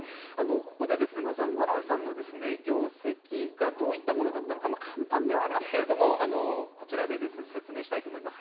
ここでまず、真鍋さんの業績がどういったものだったのか、簡単ではありますけれども、こちらで説明したいと思います。